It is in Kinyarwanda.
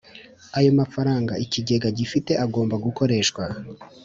Ayo mafaranga ikigega gifite agomba gukoreshwa